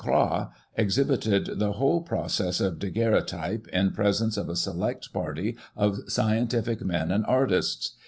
Croix exhibited the whole process of Daguerreo type, in presence of a select party of scientific men and artists.